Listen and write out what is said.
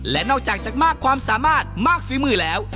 และนอกจากจะมากความสามารถมากฝีมือแล้ว